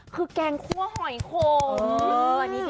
คือแกงคั่วหอยโขง